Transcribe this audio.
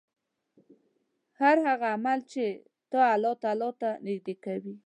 هر هغه عمل چې تا الله تعالی ته نژدې کوي